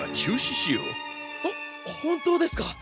ほ本当ですか！？